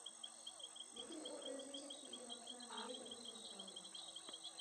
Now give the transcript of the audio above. لېكىن ئۇ ئۆزىنى چەتكە ئېلىۋاتسا نىياز ئۇنى كۆرۈپ قالدى.